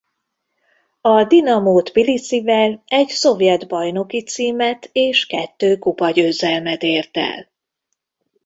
A Dinamo Tbiliszivel egy szovjet bajnoki címet és kettő kupagyőzelmet ért el.